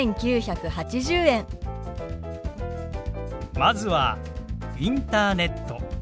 まずは「インターネット」。